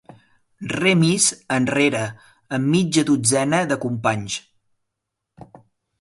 Remis enrere amb mitja dotzena de companys.